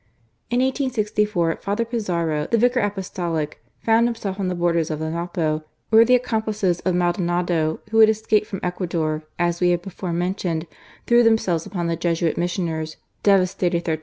In 1S64, Father Pizarro, the Vicar Apostolic, found himself on the borders ot the Napo, where the accomplices of Maldonado, who had escaped f^om Ecuador, as we have before meDtumed.i threw themselves upon the Jesuit mUsioners, devas ^; tated their